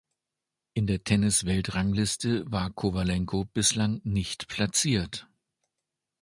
In der Tennisweltrangliste war Kowalenko bislang nicht platziert.